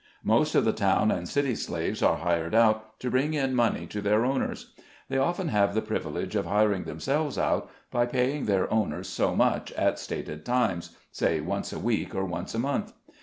Most of the town and city slaves are hired out, to bring in money to their owners. They often have the privilege of hir ing themselves out, by paying their owners so much, at stated times — say once a week, or once a month.